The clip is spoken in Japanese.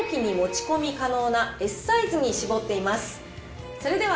今回は飛行機に持ち込み可能なＳサイズに絞っています。